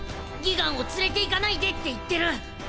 ギガンを連れていかないでって言ってる。